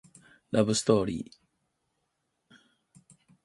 ラブストーリー